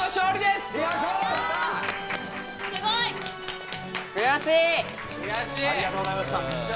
すごい！ありがとうございました。